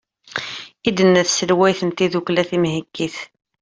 i d-tenna tselwayt n tddukkla timheggit